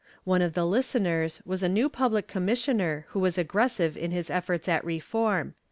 One of the listeners was a new public commissioner who was aggressive in his efforts at reform.